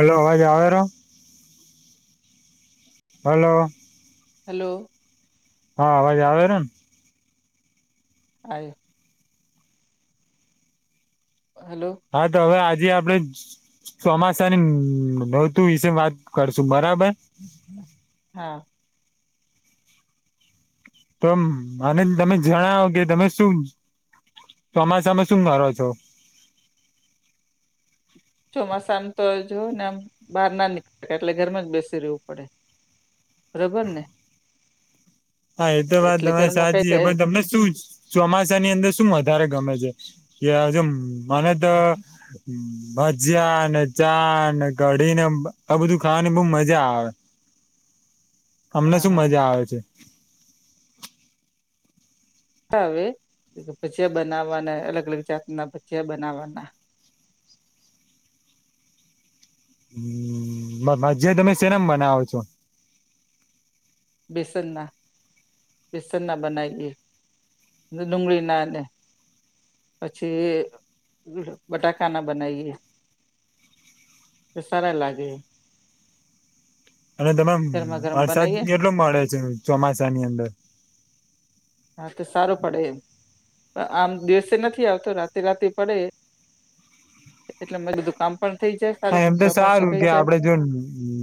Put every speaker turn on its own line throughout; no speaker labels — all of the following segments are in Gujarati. હલો અવાજ આવે ર હાલો.
હાલો.
હા અવાજ આવેરન
આય હાલો.
હા તો અવે આજે આપડે ચોમાસાની નોતું વિશે વાત કરશું બરાબર
હા.
તો અને તમે જણાવો કે તમે શું ચોમાસામાં શું કરો છો?
ચોમાસામ તો જોવ ને આમ બહાર ના નીકળ એટલે ઘરમાં જ બેસી રહેવું પડે બરોબર ને
હા એ તો વાત
એટલે
તમારી
ઘરમાં કઈ
સાચી છે,
કઈ
પણ તમને શું ચોમાસાની અંદર શું વધારે ગમે છે, કે જ મને તો ભજયા ને ચા ને કઢી ને આ બધું ખાવાની બો મજા આવે અમને
હા
શું
હા
મજા આવે છે.
તા વે [unintelligible]
જે ભ ભજીયા તમે સેનામ બનાવો છો?
બેસન ના બેસન ના બનાએ દુંગળરી નાને પછી બટાકાના બનાવીએ સારા લાગે
અને તમે
ગરમા ગરમ
વરસાદ
બનાવીએ
એટલો મળે છે, ચોમાસાની અંદર
હા તો સારું પડે આમ દિવસે નથી આવતો રાતે રાતે પડે એટલે [unintelligible]
હા
સારું
એમ તો
કપડાં પણ
સારું
સુકાઈ
કે
જાય
આપડે જો હમ્મ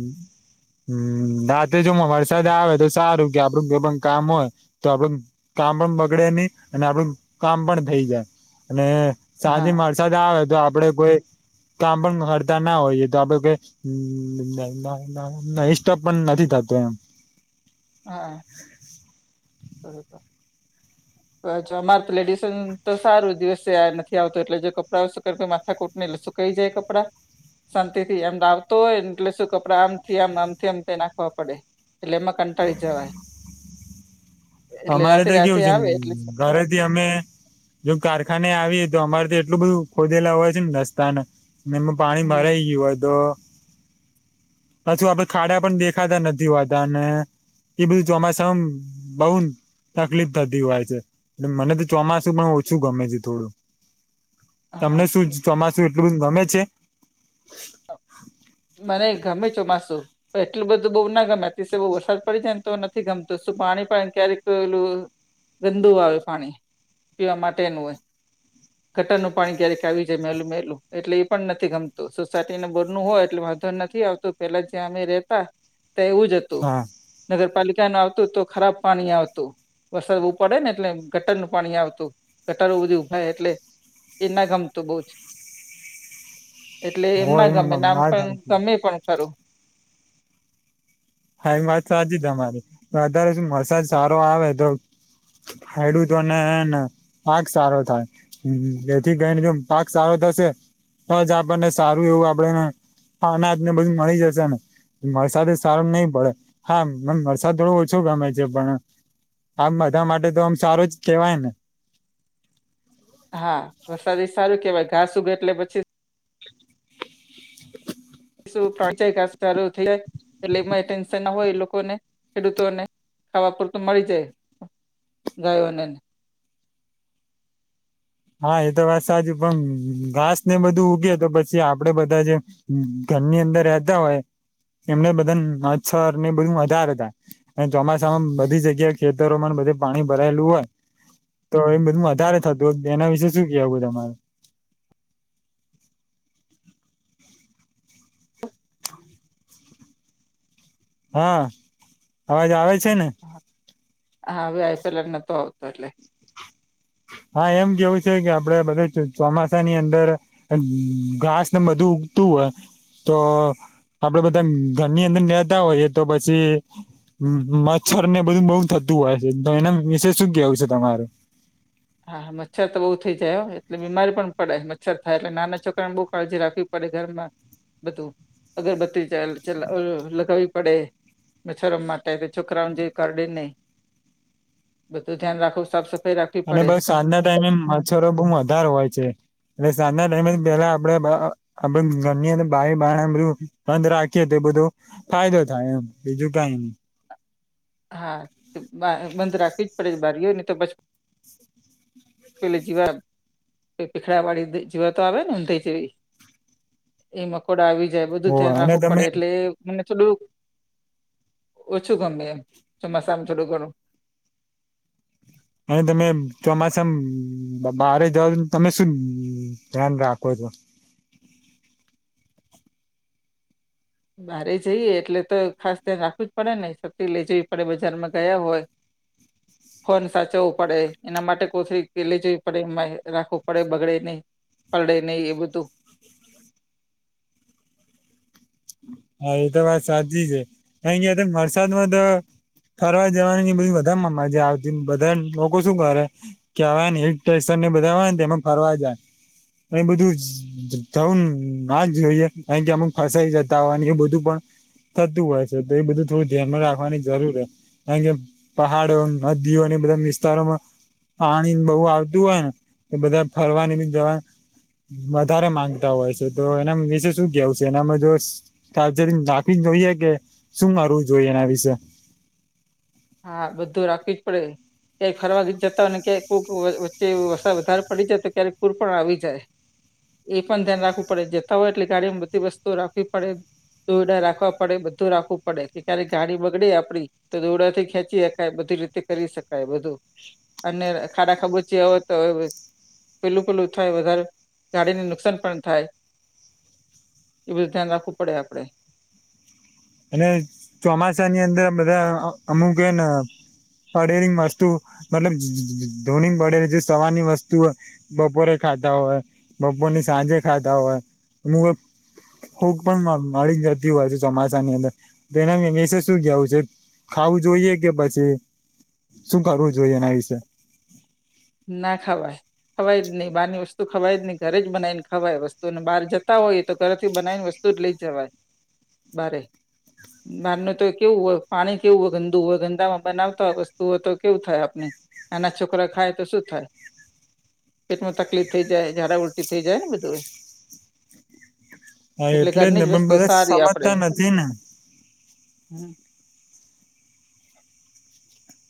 રાતે જોમ વરસાદ આવે તો સારું કે આપડું કોઈ પણ કામ હોય તો આપડે કામ પણ બગડે ની અને આપડું કામ પણ થઈ જાય અને સાંજે
હા
વરસાદ આવે તો આપડે કોઈ કામ પણ તા ના હોય તો આપડ પણ નથી થતો એમ
હા બરોબર
[inaudible]
હ અમાર તો લેડીસ તો સારું દિવસે નથી આવતું એટલે જો કપડાં [unintelligible] માથાકુટ [unintelligible] સુકાઈ જાય કપડા શાંતિથી એમ આવતો હોય ને એટલે શું કપડા આમથી આમ આમથી આમ તે નાખવા પડે એટલે એમાં કંટાળી જવાય એટલે
અમારે
રાતે
તો
રાતે
કેવું છે,
આવે એટલે
ઘરેથી અમે જો કારખાને આવીએ તો અમારે તો એટલું બધું ખોદેલા હોય છે, ને રસ્તા ને પાણી
હમ
ભરાઈ ગયું હોય તો પાછું આપડે ખાડા પણ દેખાતા નથી હોતા ને એ બીધું ચોમાશા બઉન તકલીફ થતી હોય છે, મને તો ચોમાસું પણ ઓછું ગમે છે, થોડું
હા
તમને શું ચોમાસું એટલું ગમે છે?
મને ગમે ચોમાસું એલું બધું બો ના ગમે અતિશય વરસાદ પડી જાય ને તો નથી ગમતું શું પાણી પા ક્યારેકલું ગંદુ આવે પાણી પીવા માટેનું હોય ગટરનું પાણી ક્યારેક આવી જાય મેલું મેલું એટલે એ પણ નથી ગમતું સોસાયટી ને બોર નું હોય એટલે વાંધો નથી આવતું પેલા જ્યાં અમે રેહતા ત્યાં એવું જ હતું
હા
નગરપાલિકા ન આવતું તો ખરાબ પાણી આવતું. વરસાદ ઉપડે ને એટલે ગટરનું પાણી આવતું ગટરો બધું ઊભાય એટલે એ ના ગમતું બો જ એટલે એમ
હોય
ના ગમે ને આમ
વાત
પણ
સાચી
ગમે પણ હલો.
હા એ વાત સાચી તમારી. અતારે શ વરસાદ સારો આવે તો. ખેડૂતો અનેને પાક સારો થાય. હુ એથી ગઈને જો પાક સારો થશે. તો જ આપણને સારું એવું આપે. હા અનાજ ને બધું મળી જશે ને. વરસાદ સારું નઈ. પડે હા મન વરસાદ થોડો ઓછો ગમે છે પણ. આમ બધા માટે તો આમ સારો જ કેવાય ને.
હા વરસાદી એ સારું કેવાય. ઘાસ ઉગે એટલે પછી. શું પોચે કા સારું થઈ જાય. એટલે એ ટેન્શન ના હોય એ લોકોને ખેડૂતોને. ખાવા પૂરતો મળી જાય ગાયોને.
હા! એ તો વાત સાચું. પણ ઘાસ ને બધું ઉગે. તો પછી આપડે બધા જે. ઘરની અંદર રહેતા હોય. એમને બધાંને મચ્છર ને બધું વઘારે થાય. અને ચોમાસામાં બધી જગ્યા ખેતરોમાં બધે પાણી ભરાયેલું હોય. તો એમ બધું વધારે થતું. એના વિશે શું કેવુ તમારે? હા આવાજ આવેે છે ને?
હા આયો પેલા નોતો આવતો એડલે.
હા! એમ કેવું છે કે, આપડે બધા ચોમાસાની અંદર. એમ ઘાસ ને બદ્દુ ઉગતું હોય. તો આપડે બધા ઘરની અંદર નેતા હોઈએ તો પછી. હું મચ્છર ને બધું બહુ થતું હોય છે. તો એના વિશે શું કેવું છે તમારું?
હા મચ્છર તો બહુ થઈ જાય. એટલે બીમારી પણ પડે. મચ્છર થાય એટલે નાના છોકરા ને બહુ કાળજી રાખી. પડે ઘરમાં બધું અગરબત્તીલા લગાવવી પડે. મચ્છરો માટે છોકરાઓ જે કરડે નહીં. બધુ ધ્યાન રાખો, સાફ સફાઈ રાખું.
અને બસ સાંજના ટાઈમે મચ્છરો બઉ વધારે હોય છે. એટલે સાંજના ટાઈમે જ પેલા આપડે. આ બધ ઘરની અંદર બારી બારણાં બંધ રાખી હતી એ બધું. ફાયદો થાય એમ બીજું કઈ.
હા! તો બંધ રાખવી જ પડે છે. બારી હોય ને તો પછી. પેલે જીવા. પીખડા વાડી જીવા તો આવે ને હું થઈ જવી. એ મકોડા આવી જાય. બધું
હો
ધ્યાન
અને
રાખવું
તમે
પડે એટલે. મને થોડું ઓછું ગમે એમ. ચોમાસામાં થોડું ઘણું.
અને તમે ચોમાસામાં બહાર જઓ, તમે શું ધ્યાન રાખો છો?
બારે જઈએ એટલે તો ખાસ ધ્યાન રાખવું જ પડે ને. શક્તિ લઇ જવી પડે બજારમાં ગયા હોય.
[inaudible]
ફોન સાચવું પડે. એના માટે કોથરી કે લઈ જવી પડે. એમાં રાખવું પડે બગડે નહિ. પડે નહી એ બધું.
હા! એ તો વાત સાચી છે. ક્યા વરસાદ માં તો. ફરવા જવાની એ બધી મા મજાઆવતી. બધાને લોકો શું કરે. કેવા ને એક હિલ સ્ટેશન ને બધા હોય ને એમાં ફરવા જાય. એ બધું જવું ના જ જોઈએ. કારણ કે અમુક ફસાઈ જાય. તાવા એ બધું પણ થતું હોય છે. તો એ બધું થોડું ધ્યાનમાં રાખવાની જરૂર હ. કાર કે પહાડો, નદીઓ અને બધા વિસ્તારોમાં. પાણી બહુ આવતું હોય ને, એ બધા ફરવાની બી જવા. વધારે માંગતા હોય છે, તો એના વિશે શું કેવું છે? એનામાં જો ચાર્જર નાખી જોઈએ કે શું મારવું જોઈએ એના વિશે
હા બધું રાખવી જ પડે ક્યા ફરવા જતા હોયને ક્યા કોઈક વચ્ચે વરસાદ વધારે પડી જાય તો ક્યારેક પૂર પણ આવી જાય એ પણ ધ્યાન રાખવું પડે જતા હોય એટલે ગાડીમાં બધી વસ્તુઓ રાખવી પડે દોરડા રાખવા પડે બધું રાખવું પડે કે ક્યારેક ગાડી બગડે આપડી તો દોરડાથી ખેંચી હકાય બધી રીતે કરી શકાય બધું અને ખાડા ખાબોચિયા હોય તો પેલું પેલું થાય વધારે ગાડીને નુકસાન પણ થાય એ બધું ધ્યાન રાખવું પડે આપડે
અને ચોમાસાની અંદર બધા અમુક હેન પડેલી વસ્તુ મતલબ ધોની પળેલી જે સવાર ની વસ્તુ બપોરે ખાતા હોય બપોરની સાંજે ખાતા હોય [unintelligible] ફૂગ પણ મ મળી ને જતી હોય છે, ચોમા સાની અંદર તો એના શું કેવું છે, ખાવું જોઈએ કે પછી શું કરવું જોઈએ એના વિશે
ના ખાવાય ખવાય જ ની બારની વસ્તુ ખવા જ ની ઘરે જ બનાવી ને ખવાય વસ્તુ બાર જતા હોય તો ઘરથી બનાવી ને વસ્ તુ જ લે જવાય બારે બાર નુ તો કેવું હોય પાણી કેવું હોય ગંદુ હોય ગંદામાં બનાવતા હોય વસ્તુ હોય તો કેવું થાય આપને નાના છોકરા ખાય તો શું થાય પેટમાં તકલીફ થઈ જાય જાડા ઉલટી થઈ જાય ને બધું એ
હા
એટલે ઘરની
ને
જ
પણ
વસ્તુ
બધા
સારી
સમજતા
આપણેે
નથી ને
હમ.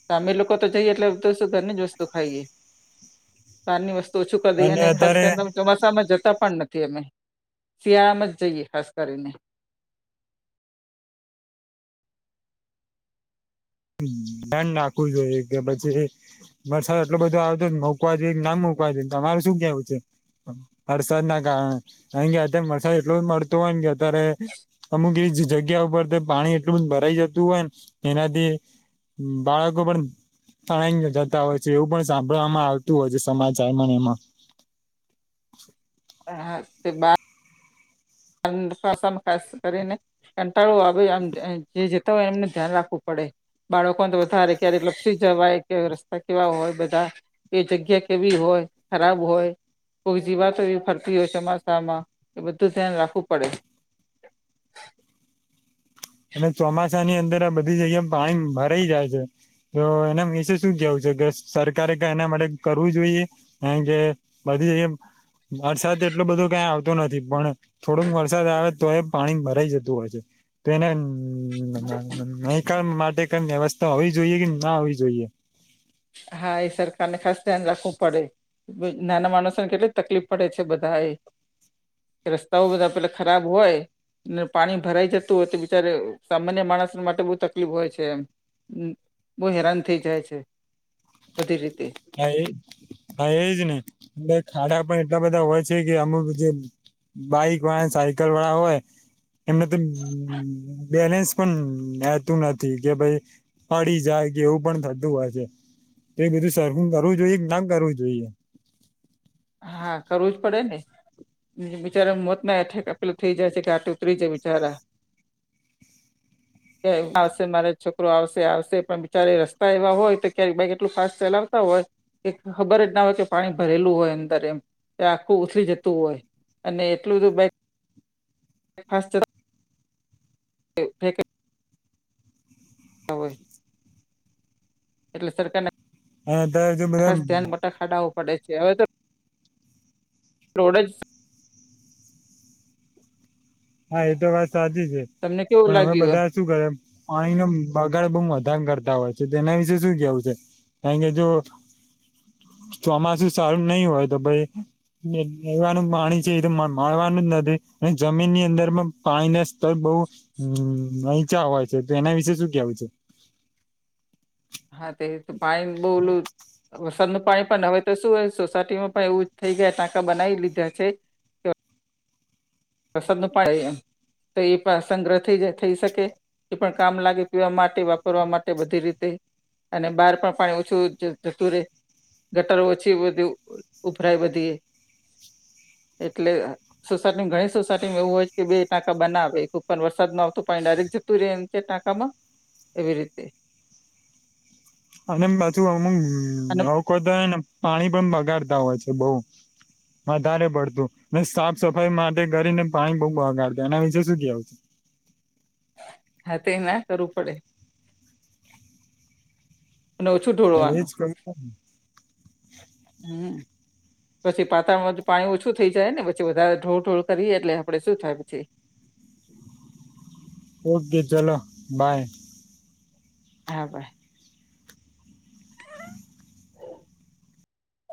[unintelligible] લોકો તો જઈએ એટલે [unintelligible] ઘરની જ વસ્તુ ખાઈએ તારની વસ્તુ ઓછું કરી દીએ
અને
ને ખાસ
અત્યારે
[unintelligible] ચોમાસામાં જતા પણ નથી અમે શિયાળામાં જ જઈએ ખાસ કરીને
ધ્યાન રાખવું જોઈએ કે પછી વરસાદ એટલો બધો આવતો મોકવા જોઈએ કે નામ મોકવા જોઈએ તમારે શું કેવું છે. વરસાદના કારણે અહી ગયા વરસાદ એટલું [unintelligible] હોય ને કે અત્યારે અમુક એવી જ જગ્યા ઉપર પાણી એટલું ભરાઈ જતું હોય ને એનાથી બાળકો પણ તણાઈ જતા હોય છે, એવું પણ સાંભળવામાં આવતું હોય છે, સમાચારમાં ને એમાં
[inaudible] [unintelligible] ખાસ કરીને કંટાળો આવે આમ જે જતા હોય એમને ધ્યાન રાખવું પડે બાળકો તો વધારે ક્યારે લપસી જવાય કે રસ્તા કેવા હોય બધા એ જગ્યા કેવી હોય ખરાબ હોય કોય જીવાતો એવી ફરતી હોય ચોમાસામાં એ બધું ધ્યાન રાખવું પડે
અને ચોમાસાની અંદર આ બધી જગ્યા પાણી ભરાઈ જાય છે. તો અવે એના વિશે શું કેવું છે, કે સરકારે કય એના માટે કરવું જોઈએ? કારણ કે બધી વરસાદ એટલો બધો કંઈ આવતો નથી પણ થોડોક વરસાદ આવે તો એ પાણી ભરાઈ જતું હોય છે. તો એના નહિકમ માટે કઈ વ્યવસ્થા હોવી જોઈએ કે ના હોવી જોઈએ?
હા એ સરકારને ખાસ ધ્યાન રાખવું પડે નાના માણસોને કેટલી તકલીફ પડે છે, બધા એ રસ્તાઓ બધા પેલા ખરાબ હોય ને પાણી ભરાઈ જતું હોય તો બિચારે સામાન્ય માણસ માટે બહુ તકલીફ હોય છે એમ હ બહુ હેરાન થઇ જાય છે બધી રીતે
હા એ હા એજ ને ખાડા પણ એટલા બધા હોય છે કે અમુક જે બાઈક વાળા સાયકલ વાળા હોય એમને તો બે-બેલેન્સ પણ રહેતું નથી કે ભાઈ પડી જાય કે એવું પણ થતું હોય છે તો એ બધું [unintelligible] કરવું જોઈએ કે ના કરવું જોઈએ.
હા કરવું જ પડે ને બિચારા મોત ના હઠેક પેલા થઈ જાય છે ઘાટ ઉતરી જાય બિચારા.
[unintelligible]
આવશે મારે છોકરો આવશે આવશે પણ બિચારે રસ્તા એવા હોય તો ક્યારેક બાઈક એટલું ફાસ્ટ ચલાવતા હોય કે ખબર જ ના હોય કે પાણી ભરેલું હોય એમ એમ એ આખું ઉતરી જતું હોય અને એટલું જો બે [inaudible] [inaudible] હોય એટલે સરકાર ના
[unintelligible]
ખાડાવું પડે છે હવે તો રોડે જ
હા એ તો વાત સાચી છે
તમને કેવું
પણ અમે
લાગ્યું
બધા શું કરે પાણીનો બગાડ બઉ વધારે કરતા હોય છે તેના વિશે શું કેવું છે કારણ કે જો ચોમાસું સારું નહી હોય તો ભાઈ પીવાનું પાણી છે એ તો મ-મળવાનું જ નથી અને જમીન ની અંદરમાં પાણીના સ્તર બઉ નીચા હોય છે તો એના વિશે શું કેવું છે
હા તે તો પાણી બોવ ઓલુ વરસાદનું પાણી પણ હવે તો શું સોસાયટીમાં પણ એવું જ થઈ ગયા ટાંકા બનાવી લીધા છે વરસાદનું પાણી [unintelligible] તો એ પણ સંગ્રહ થઈ જાય થઈ શકે એ પણ કામ લાગી ગયું માટી વાપરવા માટે બધી રીતે અને બહાર પણ પાણી ઓછું જતું રયે ગટરો ઓછી વધુ ઉભરાય બધી એ એટલે [unintelligible] સોસાયટીમાં એવું હોય છે કે બે ટાંકા બનાવે પણ વરસાદમાં આવતું પાણી ડાયરેક જતું રહે એમ ટાંકામાં એવી રીતે
અને પાછું અમુક
અને
લોકો છે ને પાણી પણ બગાડતા હોય છે બઉ વધારે પડતું ને સાફ સફાઈ માટે કરીને પાણી બહુ બગાડત એના વિશેે શું કેવું
હા [unintelligible] કરવું પડે અને ઓછું ઢોળવાનું
એજ કહ્યું
હમ પછી પાતળમાંથી પાણી ઓછું થઈ જાય ને પછી વધારે થોડું થોડું કરીએ એટલે આપડે શું થાય પછી
ઓકે ચલો બાય
હા ભાઈ